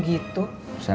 kakak itu sampe